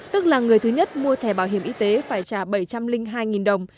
tức là người thứ nhất mua thẻ bảo hiểm y tế phải trả bảy trăm linh hai đồng